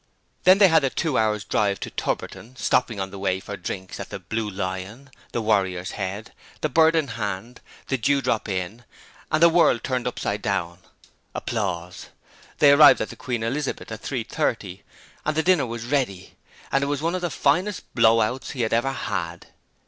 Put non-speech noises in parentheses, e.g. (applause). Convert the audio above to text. Then they had the two hours' drive to Tubberton, stopping on the way for drinks at the Blue Lion, the Warrior's Head, the Bird in Hand, the Dewdrop Inn and the World Turned Upside Down. (applause) They arrived at the Queen Elizabeth at three thirty, and the dinner was ready; and it was one of the finest blow outs he had ever had.